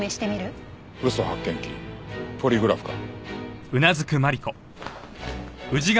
嘘発見器ポリグラフか。